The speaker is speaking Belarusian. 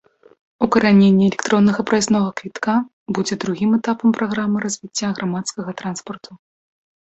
Укараненне электроннага праязнога квітка будзе другім этапам праграмы развіцця грамадскага транспарту.